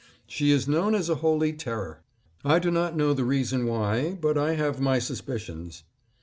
She is known as a "Holy Terror." I do not know the reason why, but I have my suspicions.